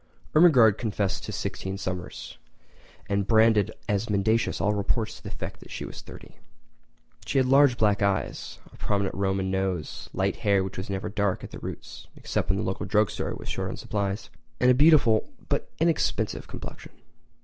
Ermengarde confessed to sixteen summers, and branded as mendacious all reports to the effect that she was thirty. She had large black eyes, a prominent Roman nose, light hair which was never dark at the roots except when the local drug store was short on supplies, and a beautiful but inexpensive complexion.